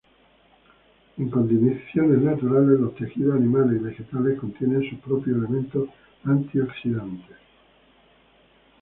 En condiciones naturales, los tejidos animales y vegetales contienen sus propios elementos antioxidantes.